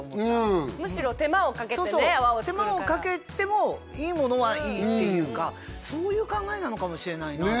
手間をかけてもいいものはいいっていうかそういう考えなのかもしれないなって。